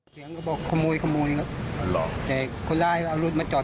ทำด้านไหนครับ